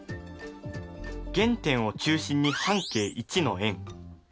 原点を中心に半径１の円。